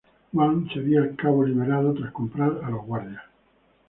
Wang sería al cabo liberado tras comprar a los guardias.